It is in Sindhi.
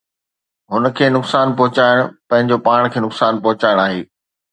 هن کي نقصان پهچائڻ پنهنجو پاڻ کي نقصان پهچائڻ آهي.